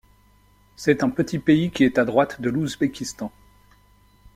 C'est un petit pays qui est à droite de l'Ouzbékistan.